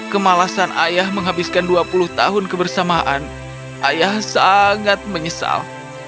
kemalasan ayah menghabiskan dua puluh tahun kebersamaan ayah sangat menyesal